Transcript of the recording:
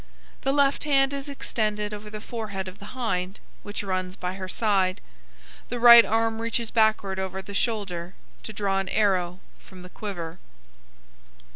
The left hand is extended over the forehead of the Hind, which runs by her side, the right arm reaches backward over the shoulder to draw an arrow from the quiver.